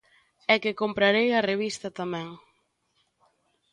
E que comprarei a revista tamén.